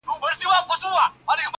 زموږ اعمال د ځان سرمشق کړه تاریخ ګوره،